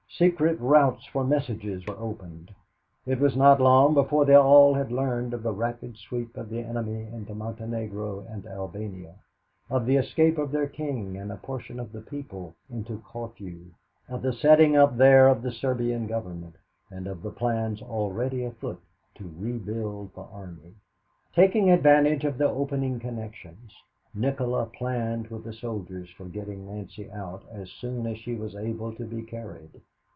Secret routes for messages were opened. It was not long before they all had learned of the rapid sweep of the enemy into Montenegro and Albania, of the escape of their king and a portion of the people into Corfu, of the setting up there of the Serbian Government, and of the plans already afoot to rebuild the army. Taking advantage of the opening connections, Nikola planned with the soldiers for getting Nancy out as soon as she was able to be carried.